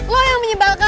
lo yang menyebalkan